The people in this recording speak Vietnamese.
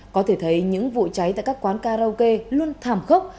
có thể thấy những vụ cháy tại các quán karaoke luôn thảm khốc